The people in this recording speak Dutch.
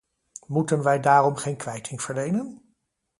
Moeten wij daarom geen kwijting verlenen?